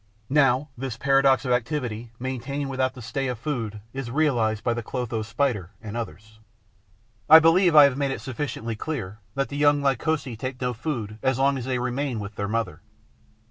Now this paradox of activity maintained without the stay of food is realized by the Clotho Spider and others. I believe I have made it sufficiently clear that the young Lycosae take no food as long as they remain with their mother.